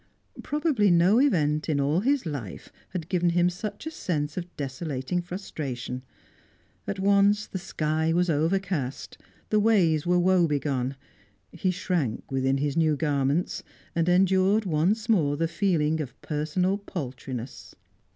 Probably no event in all his life had given him such a sense of desolating frustration. At once the sky was overcast, the ways were woebegone; he shrank within his new garments, and endured once more the feeling of personal paltriness.